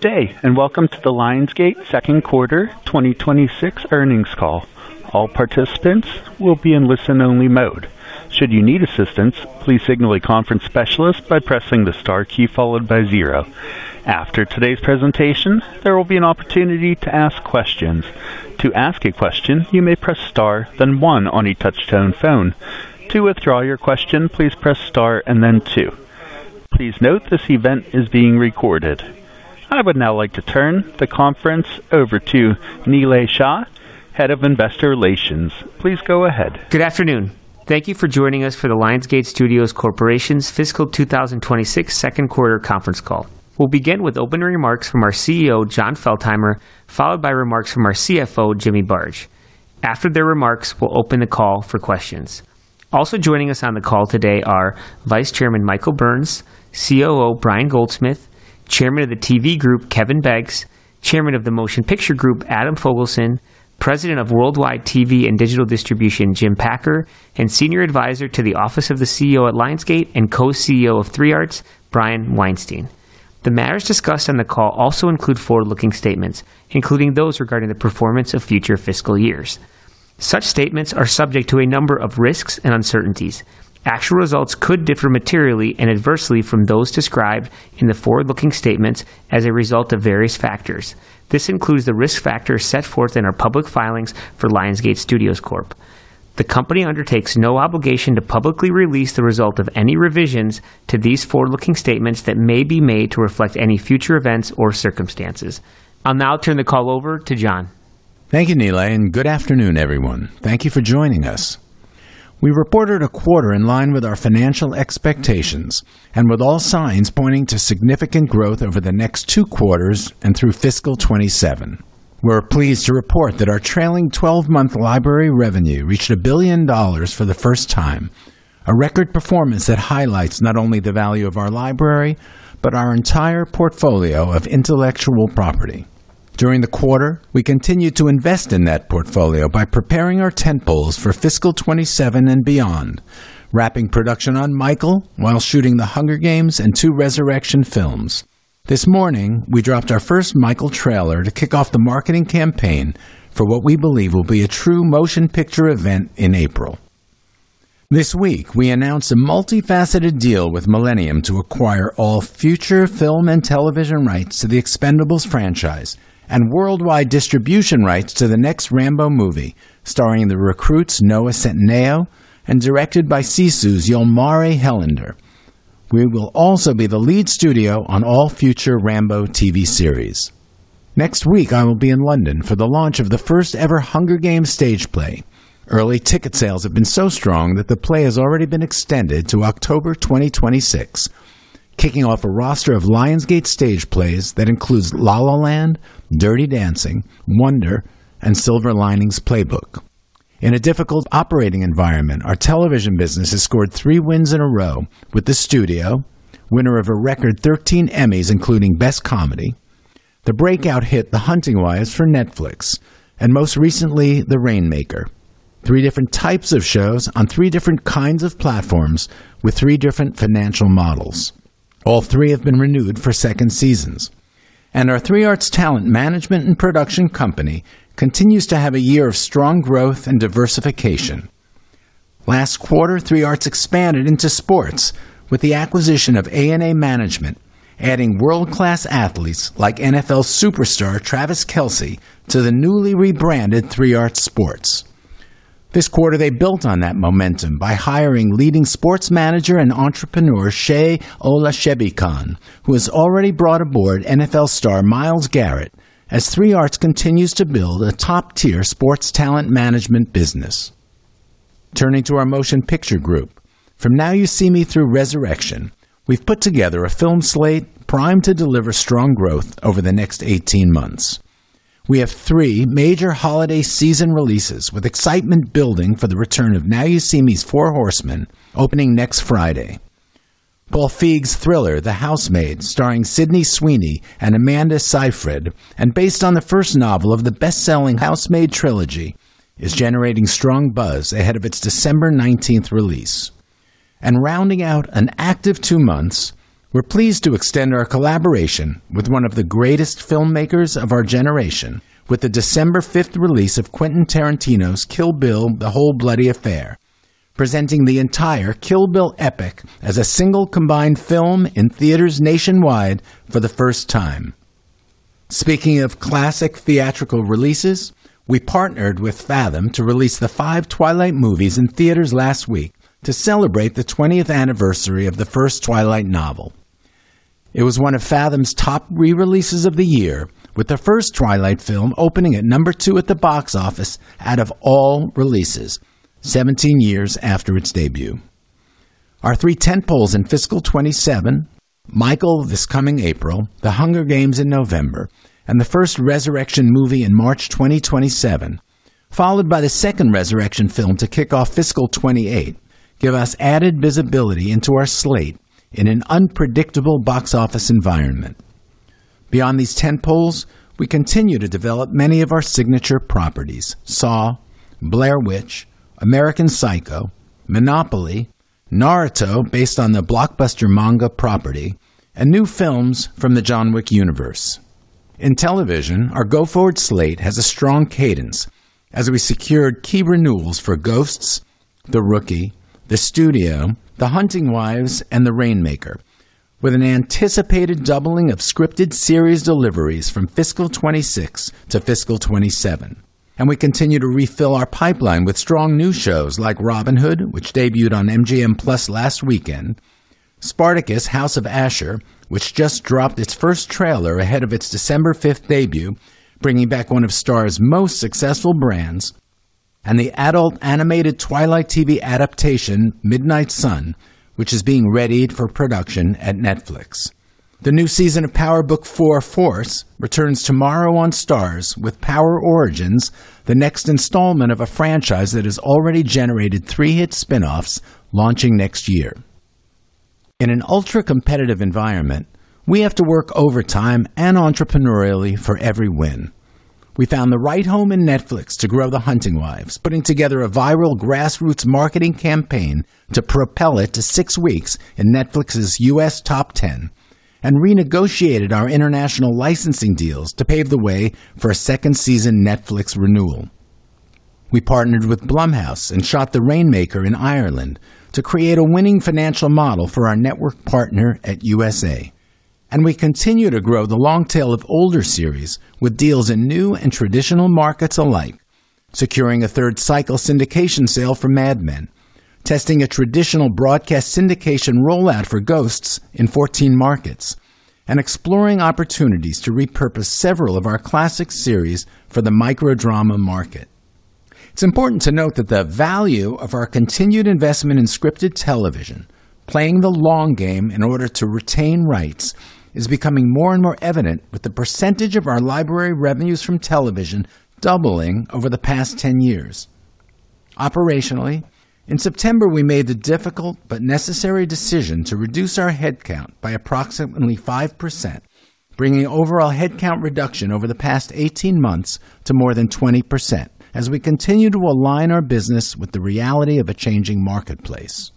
Good day, and welcome to the Lionsgate Second Quarter 2026 earnings call. All participants will be in listen-only mode. Should you need assistance, please signal a conference specialist by pressing the star key followed by zero. After today's presentation, there will be an opportunity to ask questions. To ask a question, you may press star, then one on a touch-tone phone. To withdraw your question, please press star and then two. Please note this event is being recorded. I would now like to turn the conference over to Nilay Shah, Head of Investor Relations. Please go ahead. Good afternoon. Thank you for joining us for the Lionsgate Studios Corporation's Fiscal 2026 Second Quarter Conference Call. We'll begin with opening remarks from our CEO, Jon Feltheimer, followed by remarks from our CFO, Jimmy Barge. After their remarks, we'll open the call for questions. Also joining us on the call today are Vice Chairman Michael Burns, COO Brian Goldsmith, Chairman of the TV Group, Kevin Beggs, Chairman of the Motion Picture Group, Adam Fogelson, President of Worldwide TV and Digital Distribution, Jim Packer, and Senior Advisor to the Office of the CEO at Lionsgate and Co-CEO of Three Arts, Brian Weinstein. The matters discussed on the call also include forward-looking statements, including those regarding the performance of future fiscal years. Such statements are subject to a number of risks and uncertainties. Actual results could differ materially and adversely from those described in the forward-looking statements as a result of various factors. This includes the risk factors set forth in our public filings for Lionsgate Studios. The company undertakes no obligation to publicly release the result of any revisions to these forward-looking statements that may be made to reflect any future events or circumstances. I'll now turn the call over to Jon. Thank you, Nilay, and good afternoon, everyone. Thank you for joining us. We reported a quarter in line with our financial expectations and with all signs pointing to significant growth over the next two quarters and through Fiscal 2027. We're pleased to report that our trailing 12-month library revenue reached $1 billion for the first time, a record performance that highlights not only the value of our library but our entire portfolio of intellectual property. During the quarter, we continued to invest in that portfolio by preparing our tentpoles for fiscal 2027 and beyond, wrapping production on Michael while shooting The Hunger Games and two Resurrection films. This morning, we dropped our first Michael trailer to kick off the marketing campaign for what we believe will be a true motion picture event in April. This week, we announced a multifaceted deal with Millennium to acquire all future film and television rights to The Expendables franchise and worldwide distribution rights to the next Rambo movie starring the recruits Noah Centineo and directed by Sisu's Jalmari Helander. We will also be the lead studio on all future Rambo TV series. Next week, I will be in London for the launch of the first-ever Hunger Games stage play. Early ticket sales have been so strong that the play has already been extended to October 2026. Kicking off a roster of Lionsgate stage plays that includes La La Land, Dirty Dancing, Wonder, and Silver Linings Playbook. In a difficult operating environment, our Television business has scored three wins in a row with The Studio, winner of a record 13 Emmys including Best Comedy, the breakout hit The Hunting Wives for Netflix, and most recently The Rainmaker. Three different types of shows on three different kinds of platforms with three different financial models. All three have been renewed for second seasons. Our Three Arts talent management and production company continues to have a year of strong growth and diversification. Last quarter, Three Arts expanded into sports with the acquisition of A&A Management, adding world-class athletes like NFL superstar Travis Kelce to the newly rebranded Three Arts Sports. This quarter, they built on that momentum by hiring leading sports manager and entrepreneur Shey Olaoshebikan, who has already brought aboard NFL star Myles Garrett, as Three Arts continues to build a top-tier sports talent management business. Turning to our Motion Picture group, from Now You See Me through Resurrection, we have put together a film slate primed to deliver strong growth over the next 18 months. We have three major holiday season releases with excitement building for the return of Now You See Me's Four Horsemen opening next Friday. Paul Feig's thriller The Housemaid, starring Sydney Sweeney and Amanda Seyfried, and based on the first novel of the best-selling Housemaid trilogy, is generating strong buzz ahead of its December 19th release. Rounding out an active two months, we're pleased to extend our collaboration with one of the greatest filmmakers of our generation with the December 5th release of Quentin Tarantino's Kill Bill: The Whole Bloody Affair, presenting the entire Kill Bill epic as a single combined film in theaters nationwide for the first time. Speaking of classic theatrical releases, we partnered with Fathom to release the five Twilight movies in theaters last week to celebrate the 20th anniversary of the first Twilight novel. It was one of Fathom's top re-releases of the year, with the first Twilight film opening at number two at the box office out of all releases, 17 years after its debut. Our three tentpoles in fiscal 2027: Michael this coming in April, The Hunger Games in November, and the first Resurrection movie in March 2027, followed by the second Resurrection film to kick off fiscal 2028, give us added visibility into our slate in an unpredictable box office environment. Beyond these tentpoles, we continue to develop many of our signature properties: Saw, Blair Witch, American Psycho, Monopoly, Naruto based on the blockbuster manga property, and new films from the John Wick universe. In Television, our go-forward slate has a strong cadence as we secured key renewals for Ghosts, The Rookie, The Studio, The Hunting Wives, and The Rainmaker, with an anticipated doubling of scripted series deliveries from fiscal 2026 to fiscal 2027. We continue to refill our pipeline with strong new shows like Robin Hood, which debuted on MGM+ last weekend, Spartacus: House of Ashur, which just dropped its first trailer ahead of its December 5th debut, bringing back one of STARZ's most successful brands, and the adult animated Twilight TV adaptation Midnight Sun, which is being readied for production at Netflix. The new season of Power Book IV: Force returns tomorrow on STARZ with Power Origins, the next installment of a franchise that has already generated three hit spinoffs launching next year. In an ultra-competitive environment, we have to work overtime and entrepreneurially for every win. We found the right home in Netflix to grow The Hunting Wives, putting together a viral grassroots marketing campaign to propel it to six weeks in Netflix's U.S. top 10, and renegotiated our international licensing deals to pave the way for a second season Netflix renewal. We partnered with Blumhouse and shot The Rainmaker in Ireland to create a winning financial model for our network partner at USA. We continue to grow the long tail of older series with deals in new and traditional markets alike, securing a third cycle syndication sale for Mad Men, testing a traditional broadcast syndication rollout for Ghosts in 14 markets, and exploring opportunities to repurpose several of our classic series for the micro-drama market. It's important to note that the value of our continued investment in scripted television, playing the long game in order to retain rights, is becoming more and more evident with the percentage of our library revenues from Television doubling over the past 10 years. Operationally, in September, we made the difficult but necessary decision to reduce our headcount by approximately 5%, bringing overall headcount reduction over the past 18 months to more than 20% as we continue to align our business with the reality of a changing marketplace.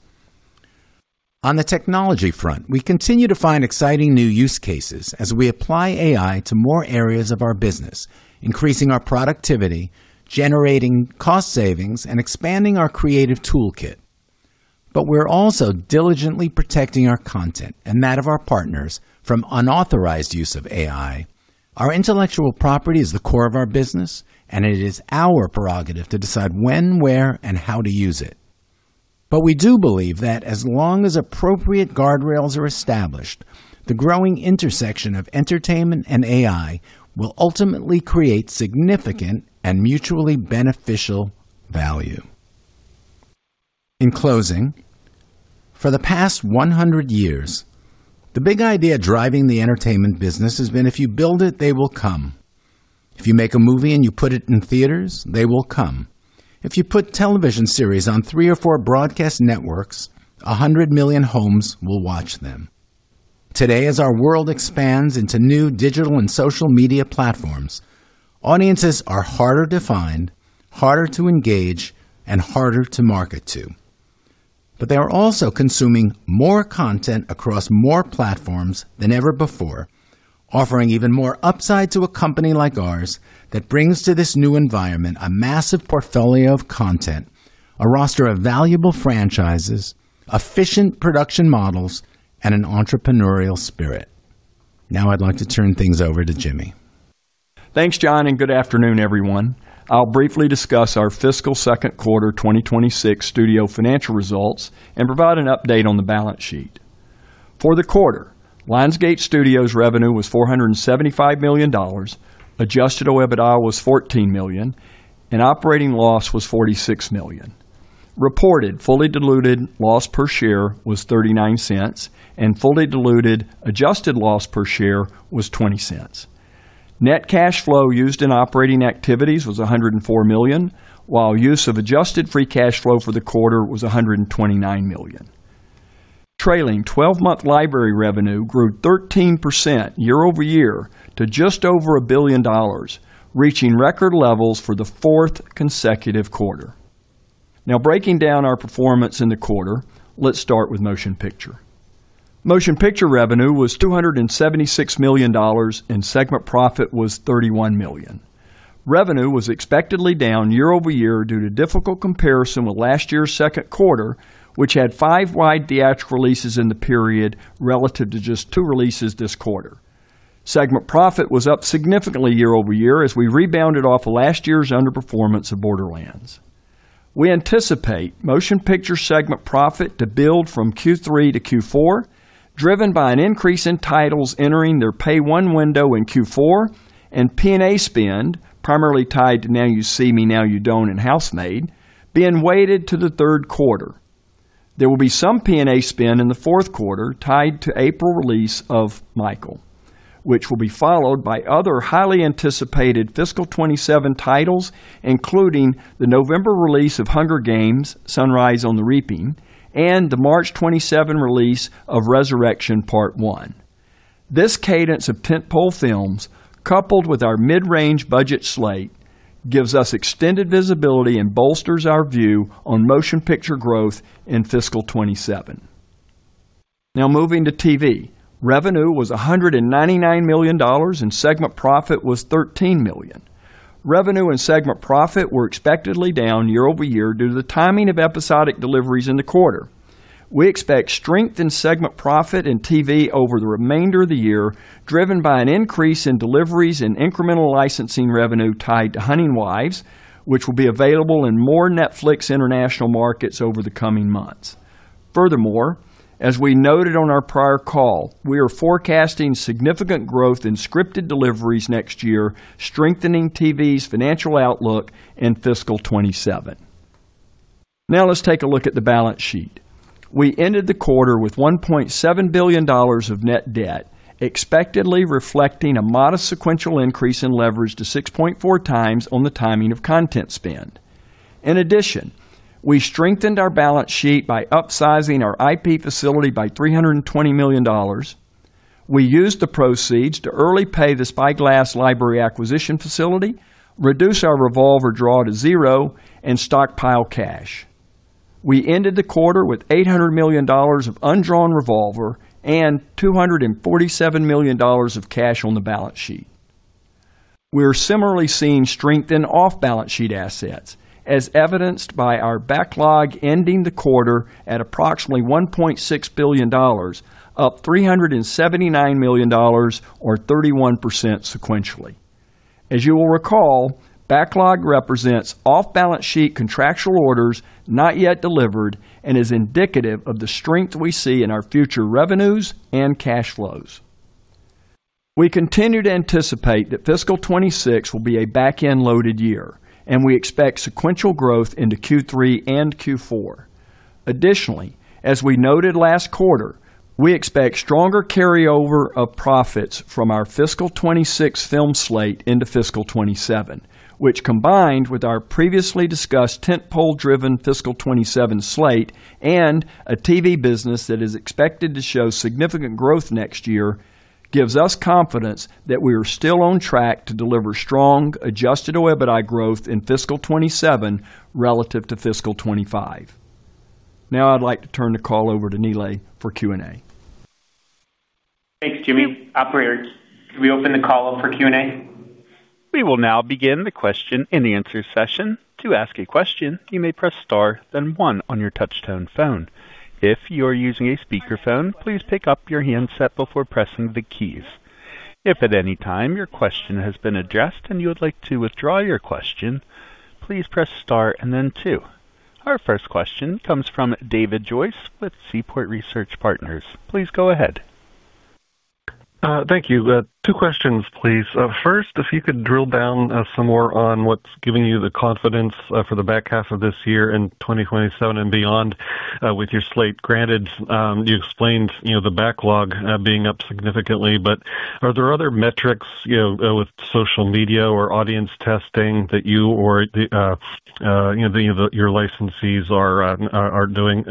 On the technology front, we continue to find exciting new use cases as we apply AI to more areas of our business, increasing our productivity, generating cost savings, and expanding our creative toolkit. We are also diligently protecting our content and that of our partners from unauthorized use of AI. Our intellectual property is the core of our business, and it is our prerogative to decide when, where, and how to use it. We do believe that as long as appropriate guardrails are established, the growing intersection of entertainment and AI will ultimately create significant and mutually beneficial value. In closing, for the past 100 years, the big idea driving the entertainment business has been, "If you build it, they will come. If you make a movie and you put it in theaters, they will come. If you put television series on three or four broadcast networks, 100 million homes will watch them." Today, as our world expands into new digital and social media platforms, audiences are harder to find, harder to engage, and harder to market to. They are also consuming more content across more platforms than ever before, offering even more upside to a company like ours that brings to this new environment a massive portfolio of content, a roster of valuable franchises, efficient production models, and an entrepreneurial spirit. Now I'd like to turn things over to Jimmy. Thanks, Jon, and good afternoon, everyone. I'll briefly discuss our Fiscal Second Quarter 2026 Studio Financial Results and provide an update on the balance sheet. For the quarter, Lionsgate Studios' revenue was $475 million, adjusted EBITDA was $14 million, and operating loss was $46 million. Reported fully diluted loss per share was $0.39, and fully diluted adjusted loss per share was $0.20. Net cash flow used in operating activities was $104 million, while use of adjusted free cash flow for the quarter was $129 million. Trailing 12-month library revenue grew 13% year-over-year to just over $1 billion, reaching record levels for the fourth consecutive quarter. Now, breaking down our performance in the quarter, let's start with Motion Picture. Motion Picture revenue was $276 million, and segment profit was $31 million. Revenue was expectedly down year-over-year due to difficult comparison with last year's second quarter, which had five wide theatrical releases in the period relative to just two releases this quarter. Segment profit was up significantly year-over-year as we rebounded off of last year's underperformance of Borderlands. We anticipate Motion Picture segment profit to build from Q3 to Q4, driven by an increase in titles entering their pay one window in Q4, and P&A spend, primarily tied to Now You See Me: Now You Don't, and The Housemaid, being weighted to the third quarter. There will be some P&A spend in the fourth quarter tied to April release of Michael, which will be followed by other highly anticipated fiscal 2027 titles, including the November release of The Hunger Games: Sunrise on the Reaping, and the March 2027 release of Resurrection Part One. This cadence of tentpole films, coupled with our mid-range budget slate, gives us extended visibility and bolsters our view on Motion Picture growth in fiscal 2027. Now, moving to TV, revenue was $199 million, and segment profit was $13 million. Revenue and segment profit were expectedly down year-over-year due to the timing of episodic deliveries in the quarter. We expect strength in segment profit and TV over the remainder of the year, driven by an increase in deliveries and incremental licensing revenue tied to Hunting Wives, which will be available in more Netflix international markets over the coming months. Furthermore, as we noted on our prior call, we are forecasting significant growth in scripted deliveries next year, strengthening TV's financial outlook in fiscal 2027. Now, let's take a look at the balance sheet. We ended the quarter with $1.7 billion of net debt, expectedly reflecting a modest sequential increase in leverage to 6.4x on the timing of content spend. In addition, we strengthened our balance sheet by upsizing our IP facility by $320 million. We used the proceeds to early pay the Spyglass library acquisition facility, reduce our revolver draw to zero, and stockpile cash. We ended the quarter with $800 million of undrawn revolver and $247 million of cash on the balance sheet. We are similarly seeing strength in off-balance sheet assets, as evidenced by our backlog ending the quarter at approximately $1.6 billion, up $379 million, or 31% sequentially. As you will recall, backlog represents off-balance sheet contractual orders not yet delivered and is indicative of the strength we see in our future revenues and cash flows. We continue to anticipate that fiscal 2026 will be a back-end loaded year, and we expect sequential growth into Q3 and Q4. Additionally, as we noted last quarter, we expect stronger carryover of profits from our fiscal 2026 film slate into fiscal 2027, which, combined with our previously discussed tentpole-driven fiscal 2027 slate and a TV business that is expected to show significant growth next year, gives us confidence that we are still on track to deliver strong adjusted EBITDA growth in fiscal 2027 relative to fiscal 2025. Now, I'd like to turn the call over to Nilay for Q&A. Thanks, Jimmy. Operator, can we open the call up for Q&A? We will now begin the question and answer session. To ask a question, you may press star then one on your touch-tone phone. If you are using a speakerphone, please pick up your handset before pressing the keys. If at any time your question has been addressed and you would like to withdraw your question, please press star and then two. Our first question comes from David Joyce with Seaport Research Partners. Please go ahead. Thank you. Two questions, please. First, if you could drill down some more on what's giving you the confidence for the back half of this year in 2027 and beyond with your slate. Granted, you explained the backlog being up significantly, but are there other metrics with social media or audience testing that you or your licensees are doing?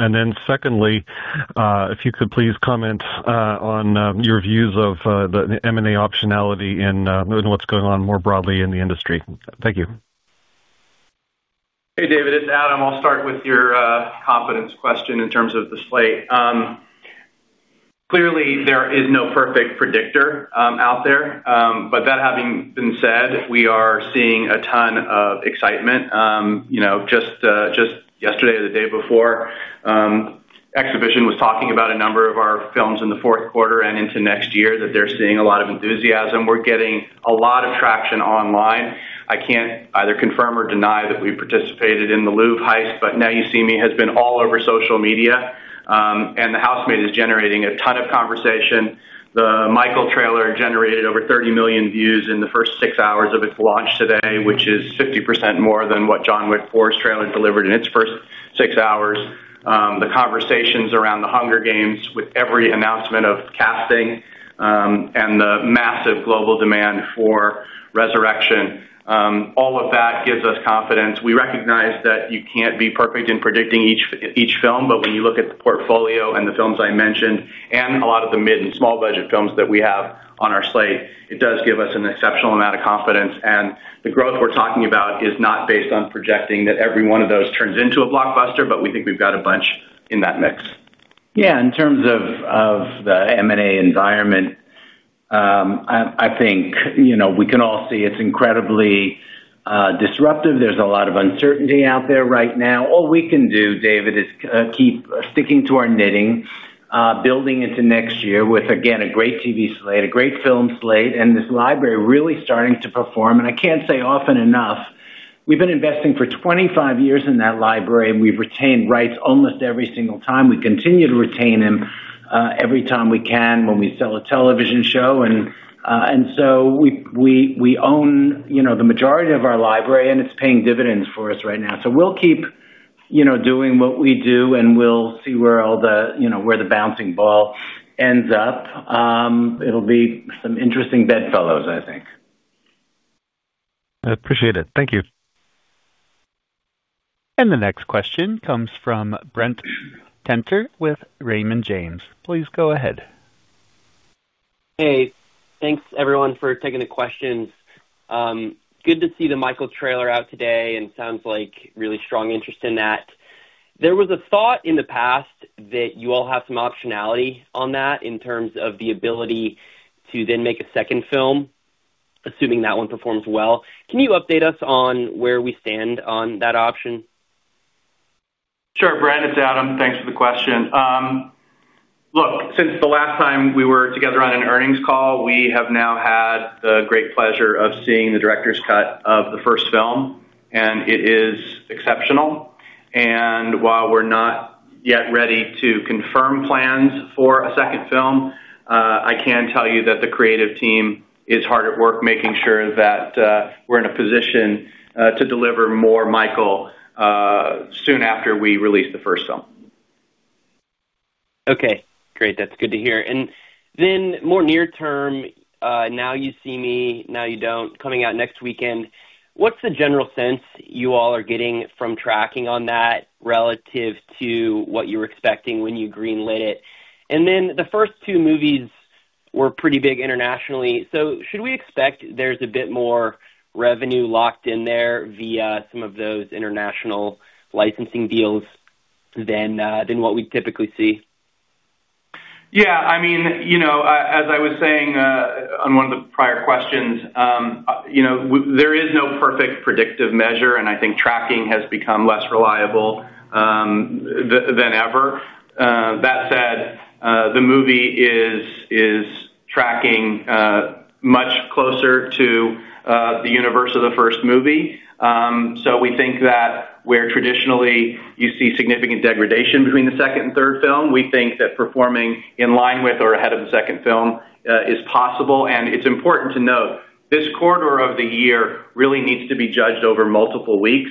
Secondly, if you could please comment on your views of the M&A optionality and what's going on more broadly in the industry. Thank you. Hey, David, it's Adam. I'll start with your confidence question in terms of the slate. Clearly, there is no perfect predictor out there, but that having been said, we are seeing a ton of excitement. Just yesterday or the day before, exhibition was talking about a number of our films in the fourth quarter and into next year that they're seeing a lot of enthusiasm. We're getting a lot of traction online. I can't either confirm or deny that we participated in the Louvre Heist, but Now You See Me has been all over social media, and The Housemaid is generating a ton of conversation. The Michael trailer generated over 30 million views in the first six hours of its launch today, which is 50% more than what John Wick 4's trailer delivered in its first six hours. The conversations around The Hunger Games with every announcement of casting. The massive global demand for Resurrection. All of that gives us confidence. We recognize that you can't be perfect in predicting each film, but when you look at the portfolio and the films I mentioned and a lot of the mid and small-budget films that we have on our slate, it does give us an exceptional amount of confidence. The growth we're talking about is not based on projecting that every one of those turns into a blockbuster, but we think we've got a bunch in that mix. Yeah, in terms of the M&A environment, I think we can all see it's incredibly disruptive. There's a lot of uncertainty out there right now. All we can do, David, is keep sticking to our knitting, building into next year with, again, a great TV slate, a great film slate, and this library really starting to perform. I can't say often enough, we've been investing for 25 years in that library, and we've retained rights almost every single time. We continue to retain them every time we can when we sell a television show. We own the majority of our library, and it's paying dividends for us right now. We'll keep doing what we do, and we'll see where all the bouncing ball ends up. It'll be some interesting bedfellows, I think. Appreciate it. Thank you. The next question comes from Brent Penter with Raymond James. Please go ahead. Hey, thanks everyone for taking the questions. Good to see the Michael trailer out today, and it sounds like really strong interest in that. There was a thought in the past that you all have some optionality on that in terms of the ability to then make a second film. Assuming that one performs well. Can you update us on where we stand on that option? Sure, Brent, it's Adam. Thanks for the question. Look, since the last time we were together on an earnings call, we have now had the great pleasure of seeing the director's cut of the first film, and it is exceptional. While we're not yet ready to confirm plans for a second film, I can tell you that the creative team is hard at work making sure that we're in a position to deliver more Michael. Soon after we release the first film. Okay, great. That's good to hear. More near-term, Now You See Me: Now You Don't, coming out next weekend, what's the general sense you all are getting from tracking on that relative to what you were expecting when you greenlit it? The first two movies were pretty big internationally. Should we expect there's a bit more revenue locked in there via some of those international licensing deals than what we typically see? Yeah, I mean, as I was saying on one of the prior questions. There is no perfect predictive measure, and I think tracking has become less reliable than ever. That said, the movie is tracking much closer to the universe of the first movie. We think that where traditionally you see significant degradation between the second and third film, we think that performing in line with or ahead of the second film is possible. It is important to note, this quarter of the year really needs to be judged over multiple weeks.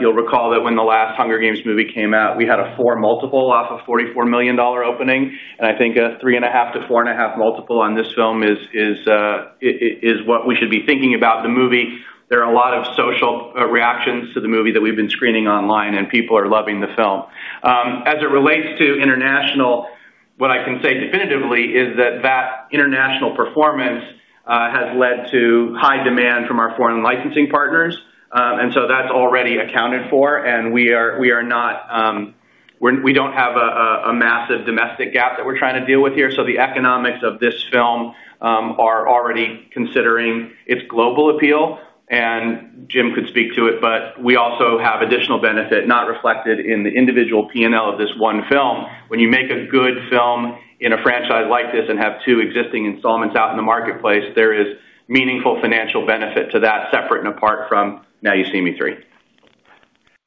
You'll recall that when the last Hunger Games movie came out, we had a four multiple off a $44 million opening. I think a 3.5x-4.5x on this film is what we should be thinking about the movie. There are a lot of social reactions to the movie that we've been screening online, and people are loving the film. As it relates to international, what I can say definitively is that that international performance has led to high demand from our foreign licensing partners. That is already accounted for. We do not have a massive domestic gap that we're trying to deal with here. The economics of this film are already considering its global appeal. Jim could speak to it, but we also have additional benefit not reflected in the individual P&L of this one film. When you make a good film in a franchise like this and have two existing installments out in the marketplace, there is meaningful financial benefit to that separate and apart from Now You See Me 3.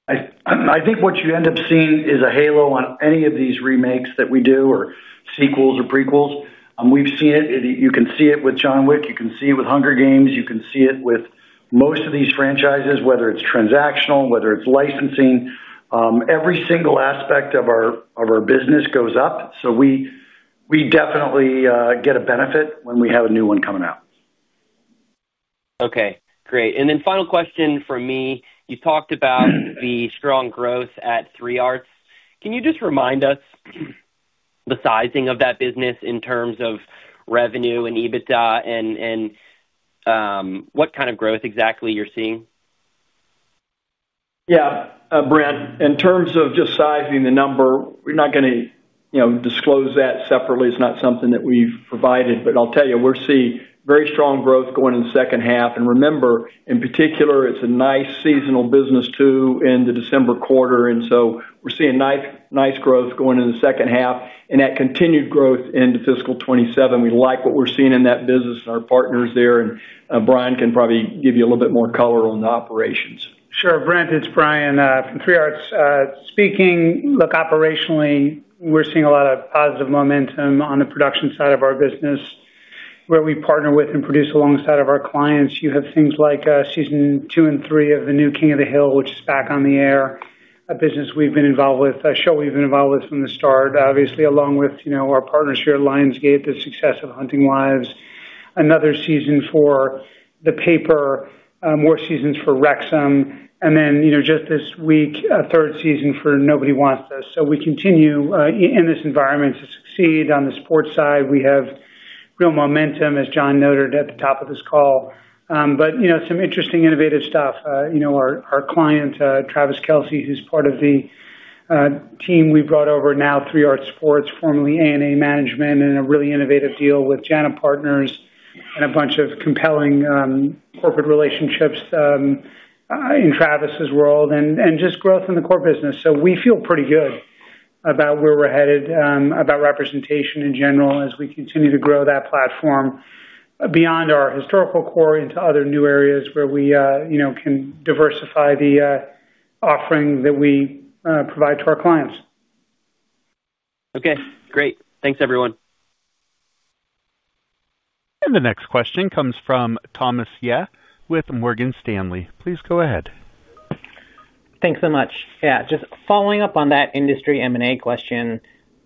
I think what you end up seeing is a halo on any of these remakes that we do or sequels or prequels. We've seen it. You can see it with John Wick. You can see it with Hunger Games. You can see it with most of these franchises, whether it's transactional, whether it's licensing. Every single aspect of our business goes up. We definitely get a benefit when we have a new one coming out. Okay, great. Final question from me. You talked about the strong growth at Three Arts. Can you just remind us, the sizing of that business in terms of revenue and EBITDA, and what kind of growth exactly you're seeing? Yeah, Brent, in terms of just sizing the number, we're not going to disclose that separately. It's not something that we've provided. I'll tell you, we're seeing very strong growth going in the second half. Remember, in particular, it's a nice seasonal business too in the December quarter. We're seeing nice growth going in the second half and that continued growth into fiscal 2027. We like what we're seeing in that business and our partners there. Brian can probably give you a little bit more color on the operations. Sure, Brent, it's Brian from Three Arts speaking. Look, operationally, we're seeing a lot of positive momentum on the production side of our business. Where we partner with and produce alongside of our clients. You have things like season two and three of The New King of the Hill, which is back on the air, a business we've been involved with, a show we've been involved with from the start, obviously, along with our partners here at Lionsgate, the success of Hunting Wives, another season for The Paper, more seasons for Wrexham, and then just this week, a third season for Nobody Wants Us. We continue in this environment to succeed. On the sports side, we have real momentum, as Jon noted at the top of this call. Some interesting innovative stuff. Our client, Travis Kelce, who's part of the team we brought over now, Three Arts Sports, formerly A&A Management, and a really innovative deal with JANA Partners and a bunch of compelling corporate relationships. In Travis's world and just growth in the core business. We feel pretty good about where we're headed, about representation in general as we continue to grow that platform. Beyond our historical core into other new areas where we can diversify the offering that we provide to our clients. Okay, great. Thanks, everyone. The next question comes from Thomas Yeh with Morgan Stanley. Please go ahead. Thanks so much. Yeah, just following up on that industry M&A question,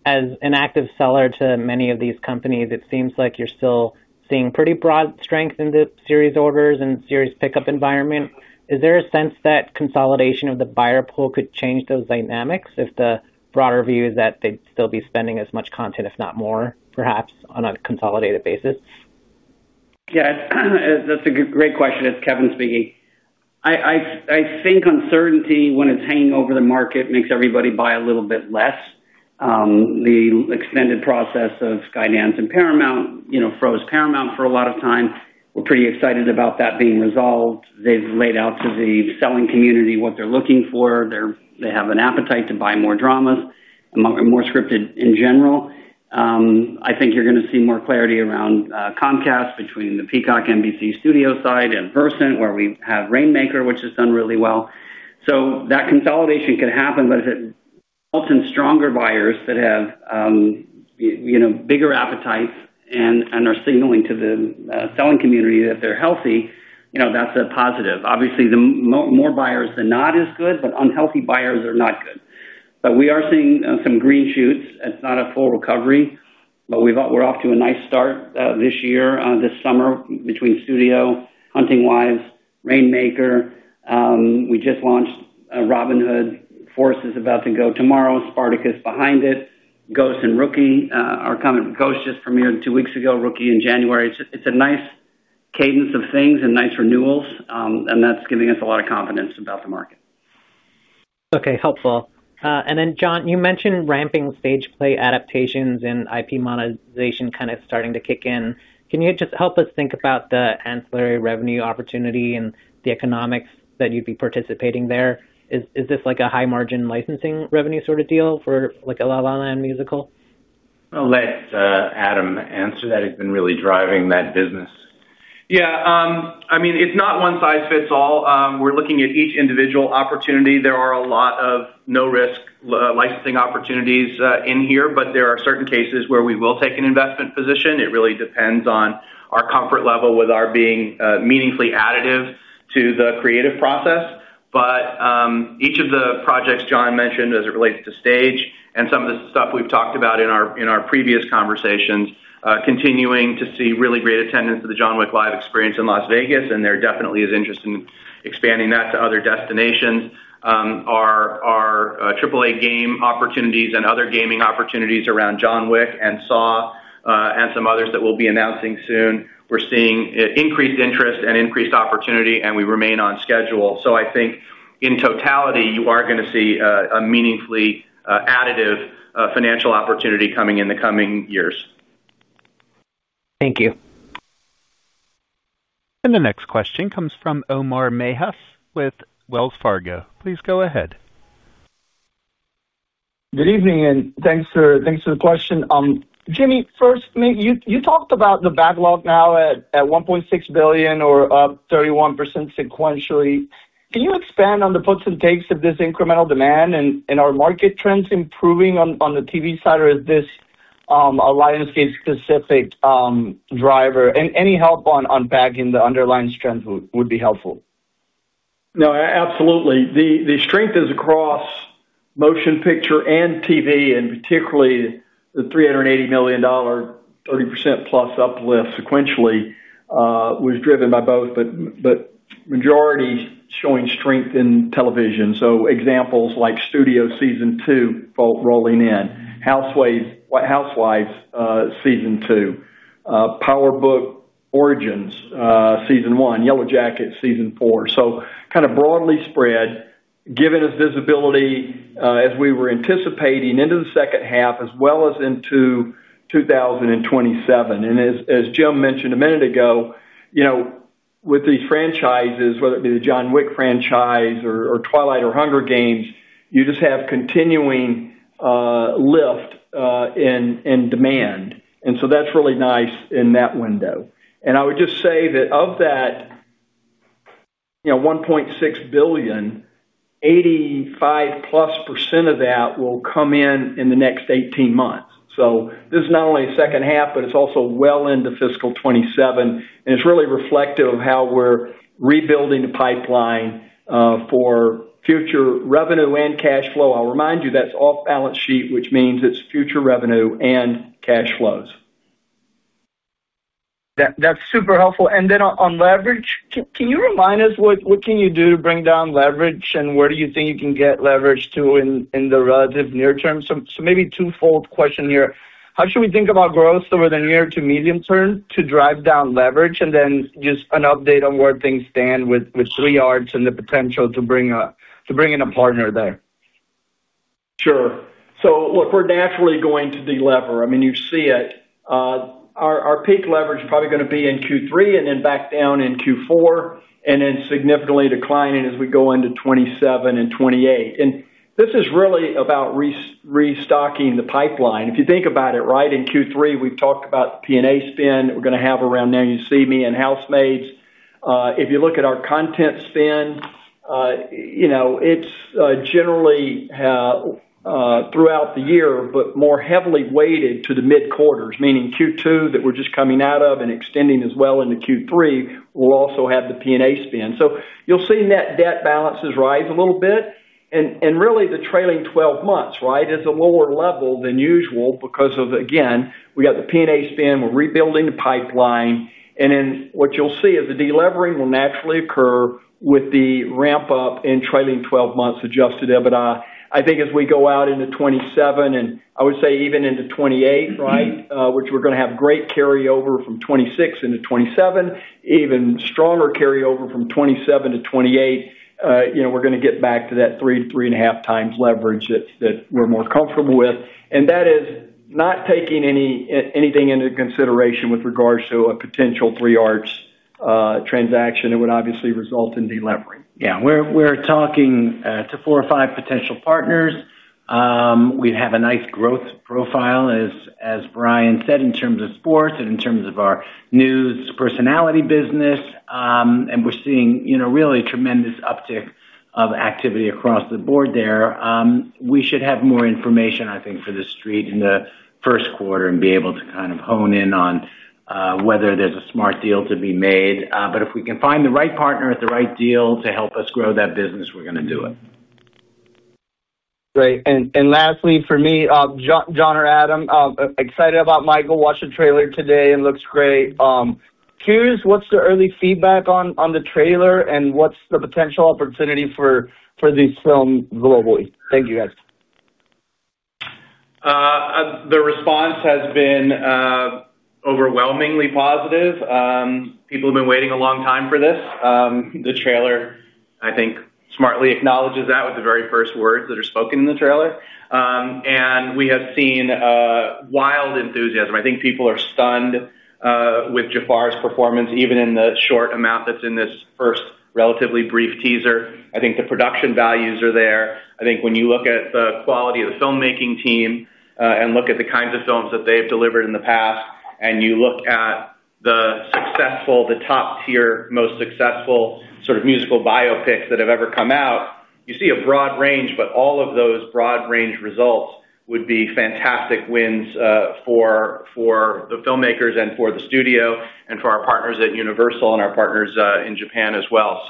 as an active seller to many of these companies, it seems like you're still seeing pretty broad strength in the series orders and series pickup environment. Is there a sense that consolidation of the buyer pool could change those dynamics if the broader view is that they'd still be spending as much content, if not more, perhaps, on a consolidated basis? Yeah, that's a great question. It's Kevin speaking. I think uncertainty, when it's hanging over the market, makes everybody buy a little bit less. The extended process of Skydance and Paramount froze Paramount for a lot of time. We're pretty excited about that being resolved. They've laid out to the selling community what they're looking for. They have an appetite to buy more dramas, more scripted in general. I think you're going to see more clarity around Comcast between the Peacock NBC studio side and Versant, where we have Rainmaker, which has done really well. That consolidation could happen, but if it results in stronger buyers that have bigger appetites and are signaling to the selling community that they're healthy, that's a positive. Obviously, the more buyers, the not as good, but unhealthy buyers are not good. We are seeing some green shoots. It's not a full recovery, but we're off to a nice start this year, this summer, between Studio, Hunting Wives, Rainmaker. We just launched Robin Hood. Force is about to go tomorrow. Spartacus behind it. Ghost and Rookie are coming. Ghost just premiered two weeks ago, Rookie in January. It's a nice cadence of things and nice renewals, and that's giving us a lot of confidence about the market. Okay, helpful. Jon, you mentioned ramping stage play adaptations and IP monetization kind of starting to kick in. Can you just help us think about the ancillary revenue opportunity and the economics that you'd be participating there? Is this like a high-margin licensing revenue sort of deal for a La La Land musical? I'll let Adam answer that. He's been really driving that business. Yeah, I mean, it's not one size fits all. We're looking at each individual opportunity. There are a lot of no-risk licensing opportunities in here, but there are certain cases where we will take an investment position. It really depends on our comfort level with our being meaningfully additive to the creative process. Each of the projects Jon mentioned as it relates to stage and some of the stuff we've talked about in our previous conversations, continuing to see really great attendance to the John Wick Live experience in Las Vegas, and there definitely is interest in expanding that to other destinations. Our AAA game opportunities and other gaming opportunities around John Wick and Saw and some others that we'll be announcing soon, we're seeing increased interest and increased opportunity, and we remain on schedule. I think in totality, you are going to see a meaningfully additive financial opportunity coming in the coming years. Thank you. The next question comes from Omar Mejias with Wells Fargo. Please go ahead. Good evening and thanks for the question. Jimmy, first, you talked about the backlog now at $1.6 billion or up 31% sequentially. Can you expand on the puts and takes of this incremental demand and are market trends improving on the TV side, or is this a Lionsgate-specific driver? Any help on unpacking the underlying strength would be helpful. No, absolutely. The strength is across Motion Picture and TV, and particularly the $380 million, 30%+ uplift sequentially, was driven by both, but majority showing strength in Television. Examples like Studio Season 2 rolling in, Housewives Season 2, Power Book: Origins season one, Yellowjackets Season 4. Kind of broadly spread, giving us visibility as we were anticipating into the second half as well as into 2027. As Jim mentioned a minute ago. With these franchises, whether it be the John Wick franchise or Twilight or Hunger Games, you just have continuing lift in demand. And so that's really nice in that window. I would just say that of that $1.6 billion, 85%+ of that will come in in the next 18 months. This is not only a second half, but it's also well into fiscal 2027. It's really reflective of how we're rebuilding the pipeline for future revenue and cash flow. I'll remind you that's off-balance sheet, which means it's future revenue and cash flows. That's super helpful. On leverage, can you remind us what can you do to bring down leverage and where do you think you can get leverage to in the relative near term? Maybe twofold question here. How should we think about growth over the near to medium term to drive down leverage? And then just an update on where things stand with Three Arts and the potential to bring in a partner there. Sure. So look, we're naturally going to deliver. I mean, you see it. Our peak leverage is probably going to be in Q3 and then back down in Q4 and then significantly declining as we go into 2027 and 2028. This is really about restocking the pipeline. If you think about it, right, in Q3, we've talked about the P&A spend. We're going to have around Now You See Me and The Housemaid. If you look at our content spend, it's generally throughout the year, but more heavily weighted to the mid-quarters, meaning Q2 that we're just coming out of and extending as well into Q3. We'll also have the P&A spend. You'll see net debt balances rise a little bit. Really, the trailing 12 months is a lower level than usual because, again, we got the P&A spend, we're rebuilding the pipeline. What you'll see is the delevering will naturally occur with the ramp-up in trailing 12 months adjusted EBITDA. I think as we go out into 2027, and I would say even into 2028, we're going to have great carryover from 2026 into 2027, even stronger carryover from 2027 to 2028, we're going to get back to that 3x-3.5x leverage that we're more comfortable with. That is not taking anything into consideration with regards to a potential Three Arts transaction. It would obviously result in delevering. Yeah, we're talking to four or five potential partners. We have a nice growth profile, as Brian said, in terms of sports and in terms of our news personality business. We're seeing really tremendous uptick of activity across the board there. We should have more information, I think, for the street in the first quarter and be able to kind of hone in on whether there's a smart deal to be made. If we can find the right partner at the right deal to help us grow that business, we're going to do it. Great. Lastly, for me, Jon or Adam, excited about Michael. Watched the trailer today and looks great. Hughes, what's the early feedback on the trailer and what's the potential opportunity for this film globally? Thank you, guys. The response has been overwhelmingly positive. People have been waiting a long time for this. The trailer, I think, smartly acknowledges that with the very first words that are spoken in the trailer. We have seen wild enthusiasm. I think people are stunned with Jaafar's performance, even in the short amount that's in this first relatively brief teaser. I think the production values are there. I think when you look at the quality of the filmmaking team and look at the kinds of films that they've delivered in the past, and you look at the successful, the top-tier, most successful sort of musical biopics that have ever come out, you see a broad range, but all of those broad-range results would be fantastic wins for the filmmakers and for the studio and for our partners at Universal and our partners in Japan as well.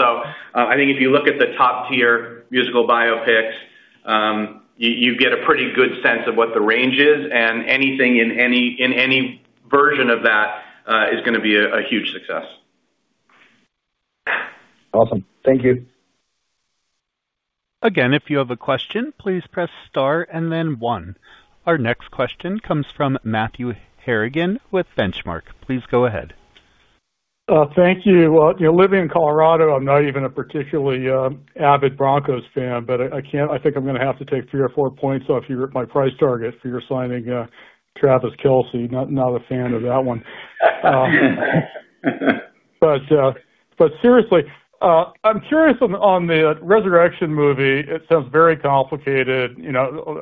I think if you look at the top-tier musical biopics, you get a pretty good sense of what the range is, and anything in any version of that is going to be a huge success. Awesome. Thank you. Again, if you have a question, please press star and then one. Our next question comes from Matthew Harrigan with Benchmark. Please go ahead. Thank you. Living in Colorado, I'm not even a particularly avid Broncos fan, but I think I'm going to have to take three or four points off my price target for your signing Travis Kelce. Not a fan of that one. Seriously, I'm curious on the Resurrection movie. It sounds very complicated.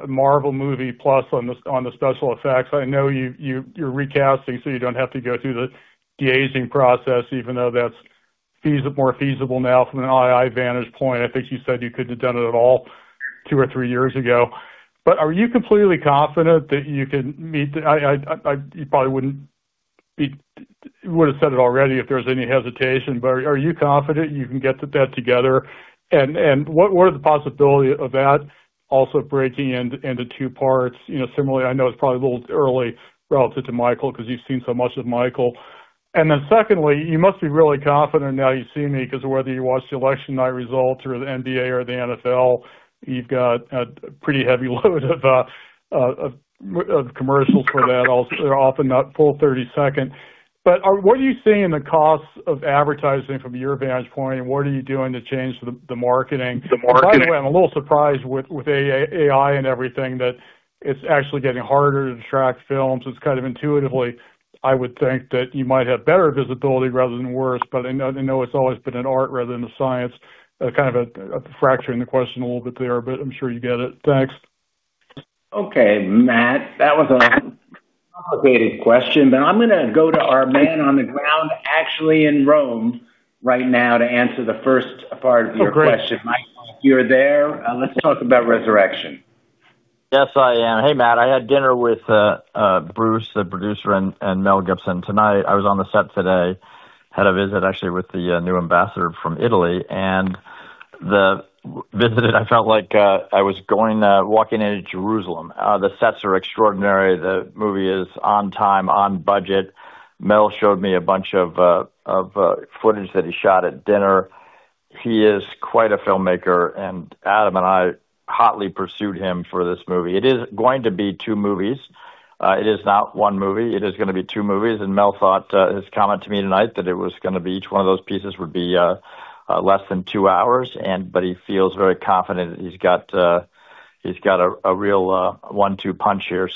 Marvel movie plus on the special effects. I know you're recasting, so you don't have to go through the de-aging process, even though that's more feasible now from an AI vantage point. I think you said you couldn't have done it at all two or three years ago. Are you completely confident that you can meet the—you probably wouldn't have said it already if there was any hesitation—are you confident you can get that together? What are the possibilities of that also breaking into two parts? Similarly, I know it's probably a little early relative to Michael because you've seen so much of Michael. Secondly, you must be really confident Now You See Me because whether you watch the election night results or the NBA or the NFL, you've got a pretty heavy load of commercials for that. They're often not full 30 seconds. What are you seeing in the costs of advertising from your vantage point? What are you doing to change the marketing? By the way, I'm a little surprised with AI and everything that it's actually getting harder to track films. Intuitively, I would think that you might have better visibility rather than worse. I know it's always been an art rather than a science. Kind of a fracture in the question a little bit there, but I'm sure you get it. Thanks. Okay, Matt. That was a complicated question, but I'm going to go to our man on the ground, actually in Rome right now to answer the first part of your question. Michael, if you're there, let's talk about Resurrection. Yes, I am. Hey, Matt. I had dinner with Bruce, the producer, and Mel Gibson tonight. I was on the set today. Had a visit, actually, with the new ambassador from Italy. I felt like I was walking into Jerusalem. The sets are extraordinary. The movie is on time, on budget. Mel showed me a bunch of footage that he shot at dinner. He is quite a filmmaker, and Adam and I hotly pursued him for this movie. It is going to be two movies. It is not one movie. It is going to be two movies. Mel thought his comment to me tonight that it was going to be each one of those pieces would be less than two hours, but he feels very confident that he's got a real one-two punch here.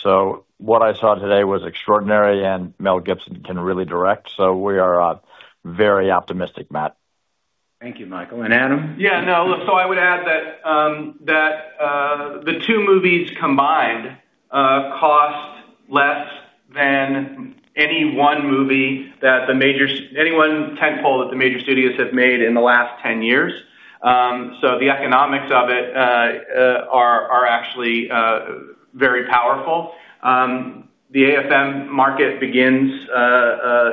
What I saw today was extraordinary, and Mel Gibson can really direct. We are very optimistic, Matt. Thank you, Michael. Adam? Yeah, no. I would add that the two movies combined cost less than any one movie that any one tentpole that the major studios have made in the last 10 years. The economics of it are actually very powerful. The AFM market begins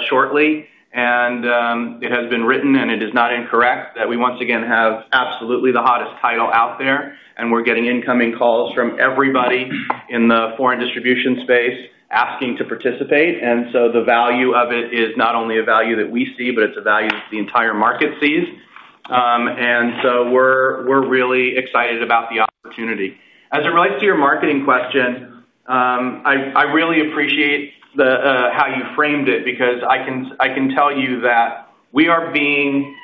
shortly, and it has been written, and it is not incorrect, that we once again have absolutely the hottest title out there. We are getting incoming calls from everybody in the foreign distribution space asking to participate. The value of it is not only a value that we see, but it is a value that the entire market sees. We are really excited about the opportunity. As it relates to your marketing question, I really appreciate how you framed it because I can tell you that we are being.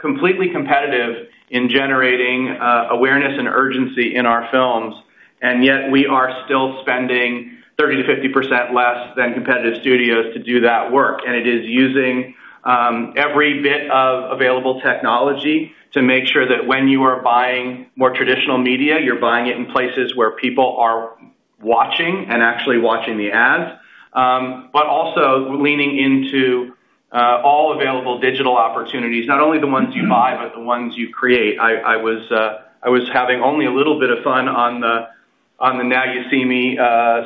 Completely competitive in generating awareness and urgency in our films, yet we are still spending 30%-50% less than competitive studios to do that work. It is using every bit of available technology to make sure that when you are buying more traditional media, you're buying it in places where people are watching and actually watching the ads. Also leaning into all available digital opportunities, not only the ones you buy, but the ones you create. I was having only a little bit of fun on the Now You See Me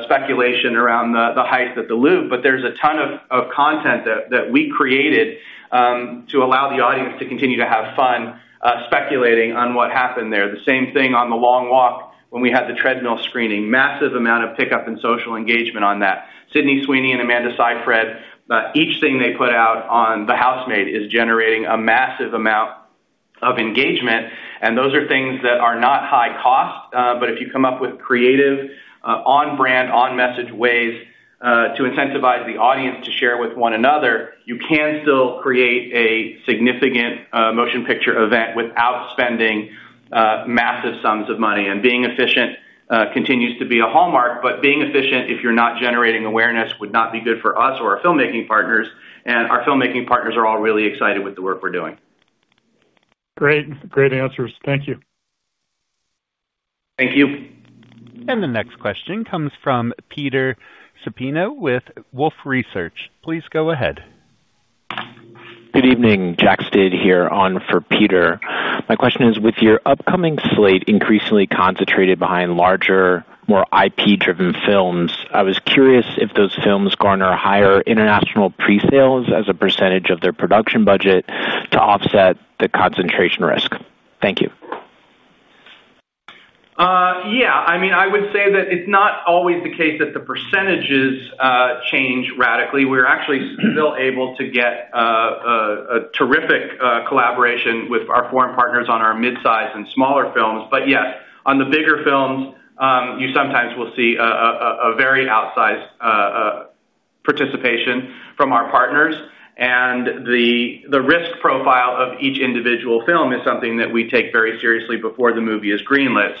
speculation around the heist at the Louvre, but there's a ton of content that we created to allow the audience to continue to have fun speculating on what happened there. The same thing on The Long Walk when we had the treadmill screening. Massive amount of pickup and social engagement on that. Sydney Sweeney and Amanda Seyfried, each thing they put out on The Housemaid is generating a massive amount of engagement. Those are things that are not high cost, but if you come up with creative, on-brand, on-message ways to incentivize the audience to share with one another, you can still create a significant motion picture event without spending massive sums of money. Being efficient continues to be a hallmark, but being efficient if you're not generating awareness would not be good for us or our filmmaking partners. Our filmmaking partners are all really excited with the work we're doing. Great answers. Thank you. Thank you. The next question comes from Peter Supino with Wolfe Research. Please go ahead. Good evening, Jack Stid here on for Peter. My question is, with your upcoming slate increasingly concentrated behind larger, more IP-driven films, I was curious if those films garner higher international pre-sales as a percentage of their production budget to offset the concentration risk. Thank you. Yeah. I mean, I would say that it's not always the case that the percentages change radically. We're actually still able to get a terrific collaboration with our foreign partners on our mid-size and smaller films. Yes, on the bigger films, you sometimes will see a very outsized participation from our partners. The risk profile of each individual film is something that we take very seriously before the movie is greenlit.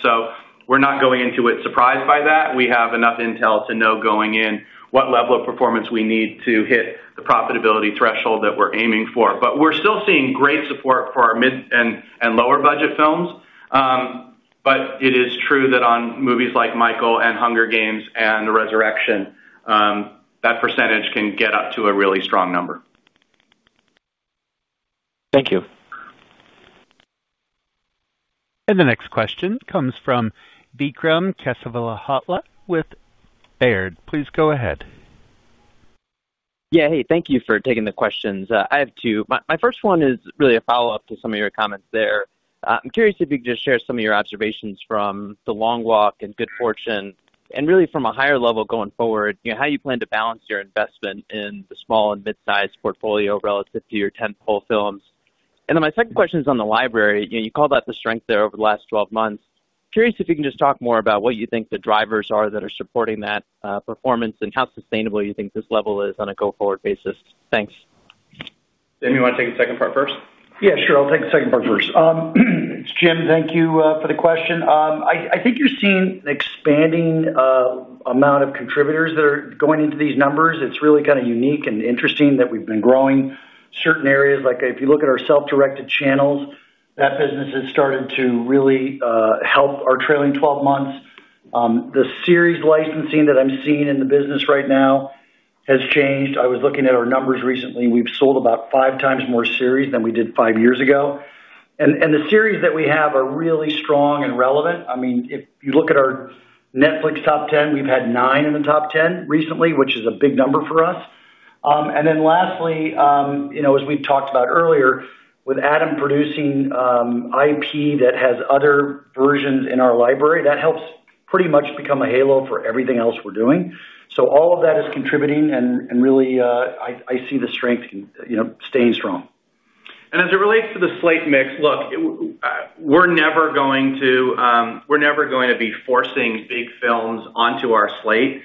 We're not going into it surprised by that. We have enough intel to know going in what level of performance we need to hit the profitability threshold that we're aiming for. We're still seeing great support for our mid and lower-budget films. It is true that on movies like Michael and Hunger Games and Resurrection, that percentage can get up to a really strong number. Thank you. The next question comes from Vikram Kesavabhotla with Baird. Please go ahead. Yeah, hey, thank you for taking the questions. I have two. My first one is really a follow-up to some of your comments there. I'm curious if you could just share some of your observations from The Long Walk and Good Fortune, and really from a higher level going forward, how you plan to balance your investment in the small and mid-sized portfolio relative to your tentpole films. My second question is on the library. You called out the strength there over the last 12 months. Curious if you can just talk more about what you think the drivers are that are supporting that performance and how sustainable you think this level is on a go-forward basis. Thanks. Jim, you want to take the second part first? Yeah, sure. I'll take the second part first. It's Jim, thank you for the question. I think you're seeing an expanding amount of contributors that are going into these numbers. It's really kind of unique and interesting that we've been growing certain areas. Like if you look at our self-directed channels, that business has started to really help our trailing 12 months. The series licensing that I'm seeing in the business right now has changed. I was looking at our numbers recently. We've sold about 5x more series than we did five years ago. And the series that we have are really strong and relevant. I mean, if you look at our Netflix top 10, we've had nine in the top 10 recently, which is a big number for us. Lastly, as we've talked about earlier, with Adam producing. IP that has other versions in our library, that helps pretty much become a halo for everything else we're doing. All of that is contributing, and really, I see the strength staying strong. As it relates to the slate mix, look. We're never going to be forcing big films onto our slate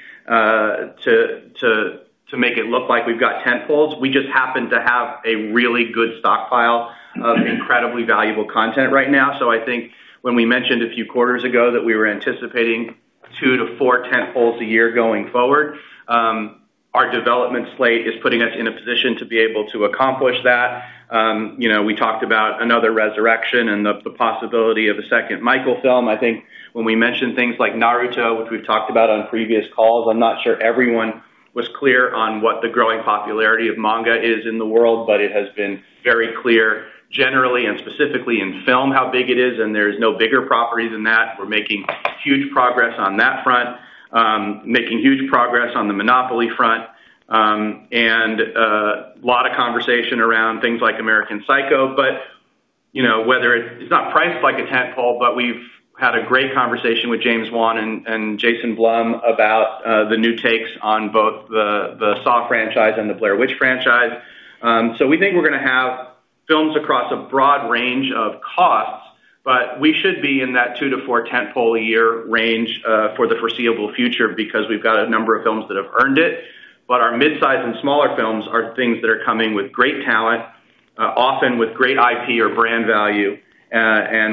to make it look like we've got tentpoles. We just happen to have a really good stockpile of incredibly valuable content right now. I think when we mentioned a few quarters ago that we were anticipating two to four tentpoles a year going forward, our development slate is putting us in a position to be able to accomplish that. We talked about another Resurrection and the possibility of a second Michael film. I think when we mentioned things like Naruto, which we've talked about on previous calls, I'm not sure everyone was clear on what the growing popularity of manga is in the world, but it has been very clear generally and specifically in film how big it is. There is no bigger property than that. We're making huge progress on that front. Making huge progress on the Monopoly front. A lot of conversation around things like American Psycho. Whether it's not priced like a tentpole, we've had a great conversation with James Wan and Jason Blum about the new takes on both the Saw franchise and the Blair Witch franchise. We think we're going to have films across a broad range of costs, but we should be in that two to four tentpole a year range for the foreseeable future because we've got a number of films that have earned it. Our mid-size and smaller films are things that are coming with great talent, often with great IP or brand value.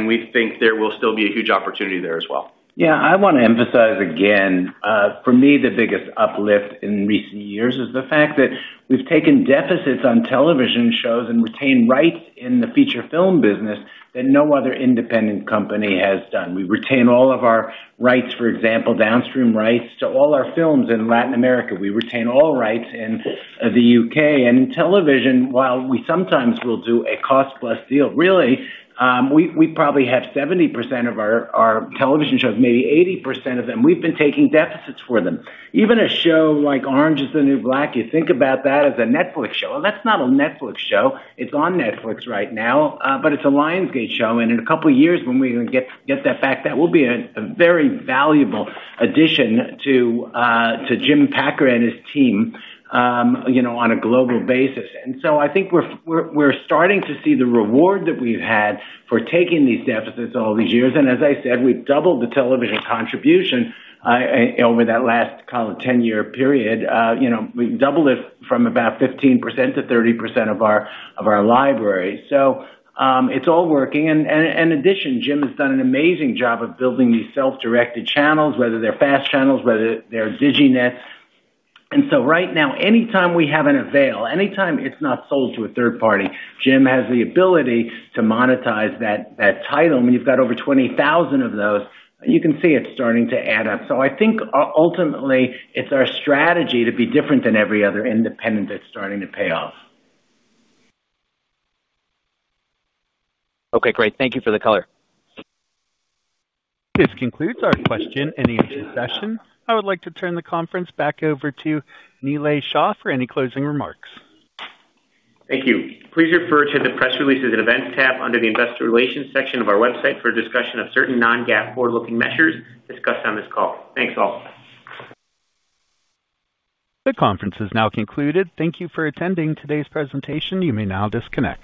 We think there will still be a huge opportunity there as well. Yeah, I want to emphasize again, for me, the biggest uplift in recent years is the fact that we've taken deficits on television shows and retained rights in the feature film business that no other independent company has done. We retain all of our rights, for example, downstream rights to all our films in Latin America. We retain all rights in the U.K. In Television, while we sometimes will do a cost-plus deal, really, we probably have 70% of our television shows, maybe 80% of them. We've been taking deficits for them. Even a show like Orange Is the New Black, you think about that as a Netflix show. That is not a Netflix show. It's on Netflix right now, but it's a Lionsgate show. In a couple of years, when we get that back, that will be a very valuable addition to Jim Packer and his team. On a global basis. I think we're starting to see the reward that we've had for taking these deficits all these years. As I said, we've doubled the television contribution over that last 10-year period. We've doubled it from about 15% to 30% of our library. It's all working. In addition, Jim has done an amazing job of building these self-directed channels, whether they're FAST channels or Diginet. Right now, anytime we have an avail, anytime it's not sold to a third party, Jim has the ability to monetize that title. When you've got over 20,000 of those, you can see it starting to add up. I think ultimately, it's our strategy to be different than every other independent that's starting to pay off. Okay, great. Thank you for the color. This concludes our question and answer session. I would like to turn the conference back over to Nilay Shah for any closing remarks. Thank you. Please refer to the press releases and events tab under the investor relations section of our website for a discussion of certain non-GAAP forward-looking measures discussed on this call. Thanks all. The conference is now concluded. Thank you for attending today's presentation. You may now disconnect.